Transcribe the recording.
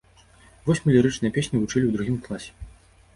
Вось мы лірычныя песні вучылі ў другім класе.